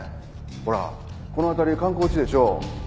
ほらこの辺り観光地でしょ。